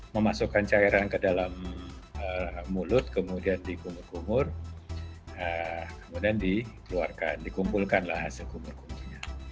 memasukkan cairan ke dalam mulut kemudian dikumur kumur kemudian dikeluarkan dikumpulkanlah hasil kumur kumurnya